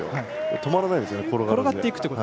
止まらないですね、転がって。